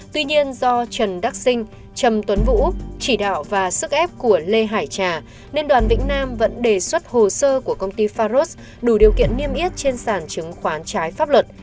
tuy nhiên do trần đắc sinh trầm tuấn vũ chỉ đạo và sức ép của lê hải trà nên đoàn vĩnh nam vẫn đề xuất hồ sơ của công ty faros đủ điều kiện niêm yết trên sản chứng khoán trái pháp luật